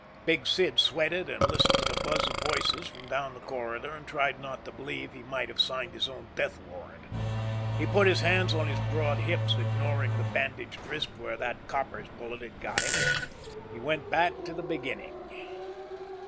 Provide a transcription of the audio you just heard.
Big Sid sweated and listened to the buzz of voices from down the corridor and tried not to believe he might have signed his own death warrant. He put his hands on his broad hips, ignoring the bandaged wrist where that copper's bullet had got him. He went back to the beginning.